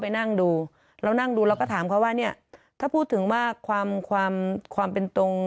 ไปนั่งดูเรานั่งดูเราก็ถามเขาว่าเนี่ยถ้าพูดถึงว่าความความเป็นตรง